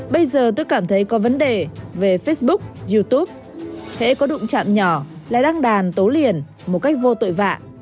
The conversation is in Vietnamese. bây giờ tôi cảm thấy có vấn đề về facebook youtube thể có đụng chạm nhỏ lại đăng đàn tố liền một cách vô tội vạ